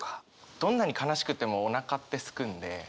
どんなに悲しくてもおなかってすくんで。